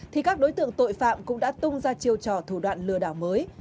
thì các đối tượng tội phạm cũng đã tung ra chiêu trò thủ đoạn lừa đảo mới